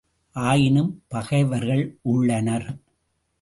ஆயினும் பகைவர்கள் உள்ளனர்.